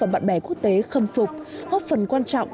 bẻ quốc tế khâm phục góp phần quan trọng